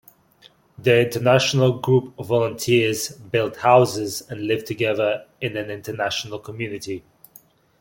The international group of volunteers built houses and lived together in an international community.